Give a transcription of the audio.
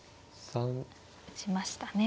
打ちましたね。